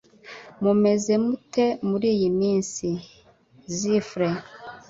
Mumeze mute muriyi minsi? (Zifre)